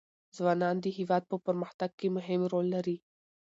ځوانان د هېواد په پرمختګ کې مهم رول لري.